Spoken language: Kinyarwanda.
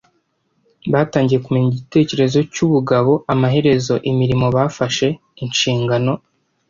batangiye kumenya igitekerezo cyubugabo Amaherezo imirimo bafashe inshingano